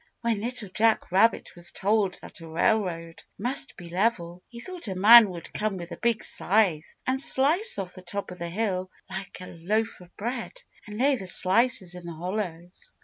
When Little Jack Rabbit was told that a railroad must be level, he thought a man would come with a big scythe and slice off the top of the hill like a loaf of bread and lay the slices in the hollows.